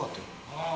ああ。